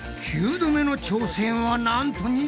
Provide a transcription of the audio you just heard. ９度目の挑戦はなんと２３回。